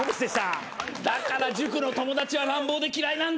だから塾の友達は乱暴で嫌いなんだよ。